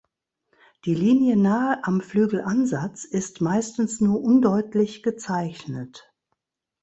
Die Linie nahe am Flügelansatz ist meistens nur undeutlich gezeichnet.